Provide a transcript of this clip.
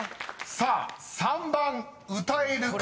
［さあ３番歌える方］